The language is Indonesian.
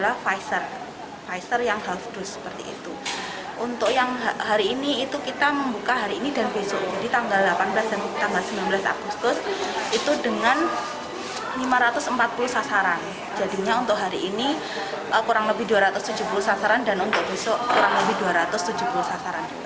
hari ini kurang lebih dua ratus tujuh puluh sasaran dan untuk besok kurang lebih dua ratus tujuh puluh sasaran juga